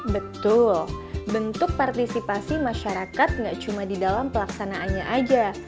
betul bentuk partisipasi masyarakat nggak cuma di dalam pelaksanaannya aja